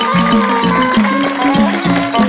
กลับมารับทราบ